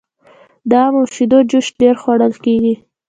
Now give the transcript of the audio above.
د ام او شیدو جوس ډیر خوړل کیږي.